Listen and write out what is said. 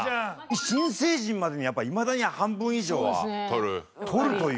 新成人までにやっぱいまだに半分以上は取るという。